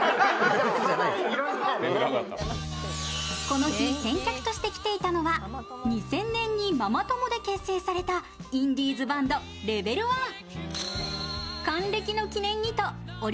この日、先客として来ていたのは２０００年にママ友で結成されたインディーズバンド・レベルワン。